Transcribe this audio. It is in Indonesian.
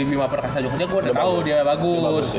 bima perkasa jogja gue udah tau dia bagus